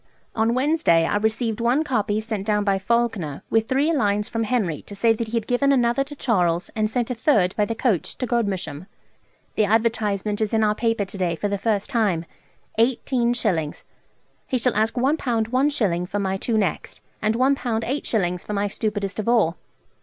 On Wednesday I received one copy sent down by Falkener, with three lines from Henry to say that he had given another to Charles and sent a third by the coach to Godmersham .... The advertisement is in our paper to day for the first time: 18_s_. He shall ask 1_l_. 1_s_. for my two next, and 1_l_. 8_s_. for my stupidest of all.